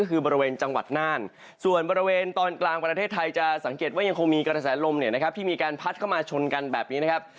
กระแสลมพัดเข้ามาชนกันแบบนี้นะครับ